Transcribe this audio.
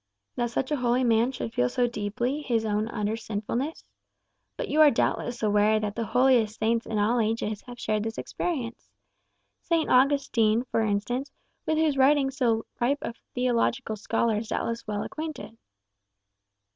"That such a holy man should feel so deeply his own utter sinfulness? But you are doubtless aware that the holiest saints in all ages have shared this experience. St. Augustine, for instance, with whose writings so ripe a theological scholar is doubtless well acquainted."